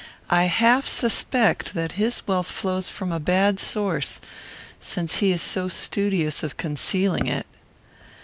I half suspect that his wealth flows from a bad source, since he is so studious of concealing it."